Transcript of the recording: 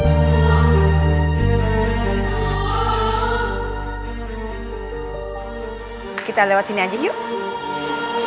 selamat pagi mami hari yang hebat